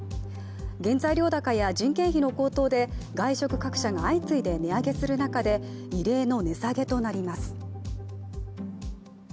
原材料高や人件費の高騰で外食各社が相次いで値上げする中で、値上げする中で、異例の値下げとなります。